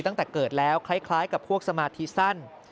ตั้งแต่เกิดแล้วคล้ายกับพวกสมาธิสั้น